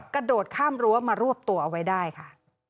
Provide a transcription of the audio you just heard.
กระโดดข้ามรั้วมารวบตัวเอาไว้ได้ค่ะ